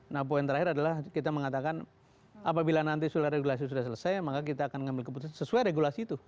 nah poin terakhir adalah kita mengatakan apabila nanti sudah regulasi sudah selesai maka kita akan mengambil keputusan sesuai regulasi itu